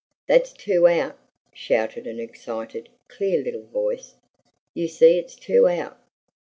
"That's two out!" shouted an excited, clear little voice. "You see it's two out!"